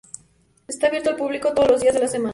Está abierto al público todos los días de la semana.